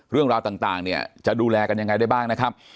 เรื่องราวต่างเนี่ยจะดูแลกันยังไงได้บ้างนะครับ